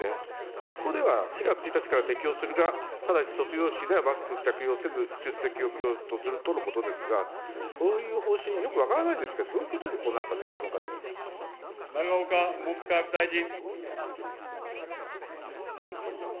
学校では４月１日から適用するが、ただし卒業式ではマスク着用せず、出席を許容とするということですが、こういう方針、よく分からないんですけど、どういうことでこういうことになったんですか、文永岡文部科学大臣。